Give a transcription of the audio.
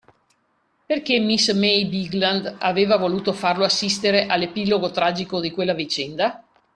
Perché miss May Bigland aveva voluto farlo assistere all’epilogo tragico di quella vicenda?